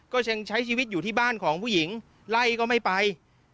ก็ยังใช้ชีวิตอยู่ที่บ้านของผู้หญิงไล่ก็ไม่ไป